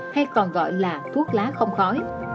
hay còn gọi là thuốc lá không khói